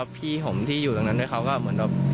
พี่ผมที่อยู่ตรงนั้นด้วยเขาก็มีความเหมือนว่า